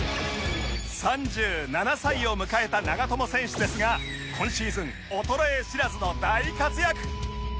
３７歳を迎えた長友選手ですが今シーズン衰え知らずの大活躍